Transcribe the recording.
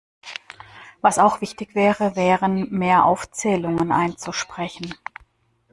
Was auch wichtig wäre, wären mehr Aufzählungen einzusprechen.